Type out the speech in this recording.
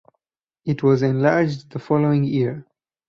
It was enlarged the following year.